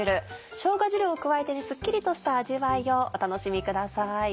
しょうが汁を加えてスッキリとした味わいをお楽しみください。